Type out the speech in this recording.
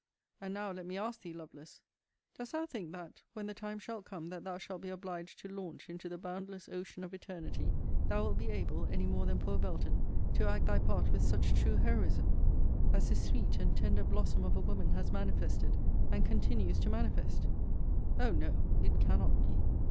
And now let me ask thee, Lovelace, Dost thou think that, when the time shall come that thou shalt be obliged to launch into the boundless ocean of eternity, thou wilt be able (any more than poor Belton) to act thy part with such true heroism, as this sweet and tender blossom of a woman has manifested, and continues to manifest! Oh! no! it cannot be!